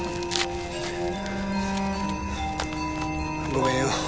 ごめんよ。